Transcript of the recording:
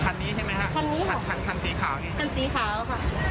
คันนี้ใช่ไหมครับคันสีขาวนี่ครับคันสีขาวค่ะ